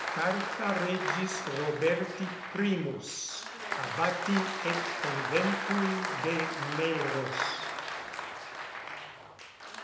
CARTA REGIS ROBERTI I. ABBATI ET CONVENTUI DE MELROSS.